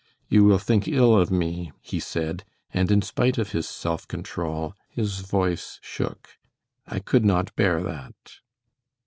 "You will think ill of me," he said, and in spite of his self control his voice shook. "I could not bear that."